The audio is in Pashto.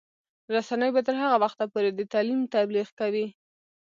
رسنۍ به تر هغه وخته پورې د تعلیم تبلیغ کوي.